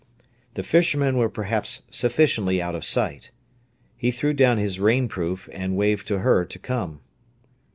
The fishermen were perhaps sufficiently out of sight. He threw down his rainproof and waved to her to come.